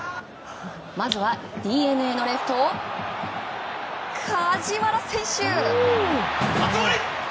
まずは、ＤｅＮＡのレフト梶原選手。